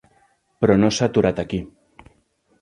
Però no s'ha aturat aquí.